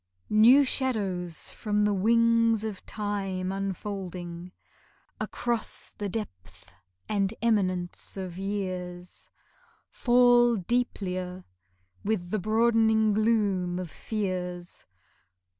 New shadows from the wings of Time unfolding Across the depth and eminence of years, Fall deeplier with the broadening gloom of fears.